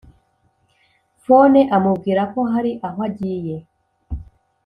phone amubwira ko hari aho agiye